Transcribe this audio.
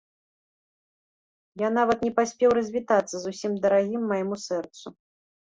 Я нават не паспеў развітацца з усім дарагім майму сэрцу.